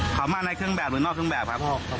คุมมาจากนู้นหรือเปล่า